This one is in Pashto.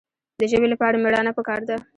د ژبې لپاره مېړانه پکار ده.